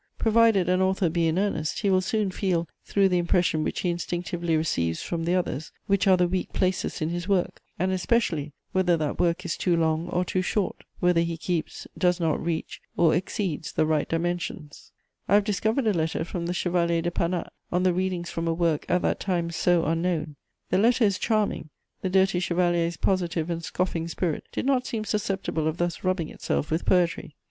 Provided an author be in earnest, he will soon feel, through the impression which he instinctively receives from the others, which are the weak places in his work, and especially whether that work is too long or too short, whether he keeps, does not reach, or exceeds the right dimensions. [Sidenote: A letter from Panat.] I have discovered a letter from the Chevalier de Panat on the readings from a work at that time so unknown. The letter is charming: the dirty chevalier's positive and scoffing spirit did not seem susceptible of thus rubbing itself with poetry.